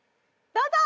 どうぞ！